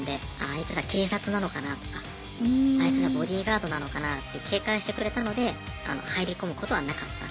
あいつら警察なのかなとかあいつらボディーガードなのかなって警戒してくれたので入り込むことはなかった。